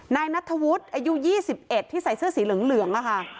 นายนัทธวุฒิอายุ๒๑ที่ใส่เสื้อสีเหลืองค่ะ